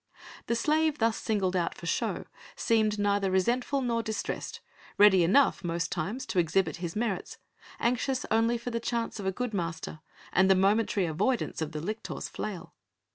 The slave thus singled out for show seemed neither resentful nor distressed, ready enough most times to exhibit his merits, anxious only for the chance of a good master and the momentary avoidance of the lictor's flail.